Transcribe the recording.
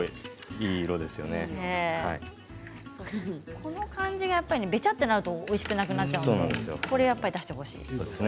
この感じがねベチャッとなるとおいしくなくなってしまうのでこれを出してほしいですね。